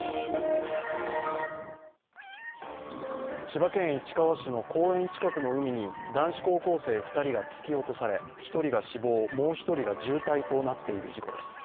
千葉県市川市の公園近くの海に男子高校生２人が突き落とされ、１人が死亡、もう１人が重体となっている事故です。